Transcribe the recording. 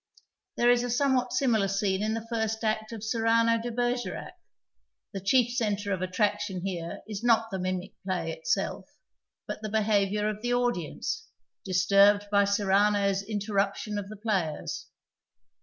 There is a somewhat similar scene in the first act of Cyrano de Bergcrar. The ehic f centre of attrac tion here is not the juiniie play itself, but the beha\i our of the audience, disturbed by Cyrano's interruj) tion of the j)layers.